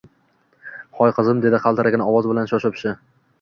— Hoy, qizim, — dedi qaltiragan ovoz bilan shosha-pisha.